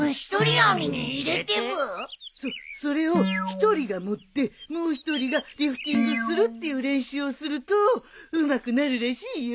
そっそれを一人が持ってもう一人がリフティングするっていう練習をするとうまくなるらしいよ。